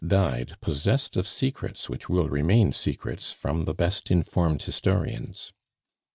died possessed of secrets which will remain secrets from the best informed historians.